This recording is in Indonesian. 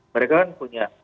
mereka kan punya